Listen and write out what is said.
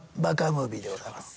ムービーでございます。